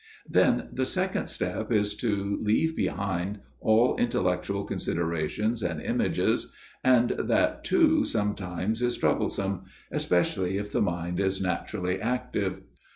Then the second step is to leave behind all intellectual considerations and images, and that too sometimes is troublesome, especially if the mind is naturally active.